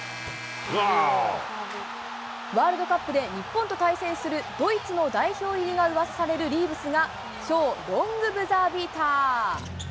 ワールドカップで日本と対戦するドイツの代表入りがうわさされるリーブスが超ロングブザービーター。